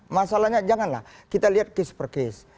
masalahnya janganlah kita lihat kes per kes